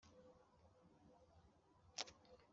Gukemura Amakimbirane